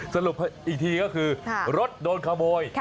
สรุปอีกทีก็คือรถโดนขโมย